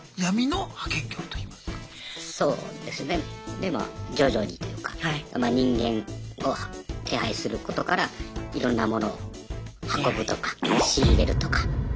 でまあ徐々にというか人間を手配することからいろんなモノを運ぶとか仕入れるとか。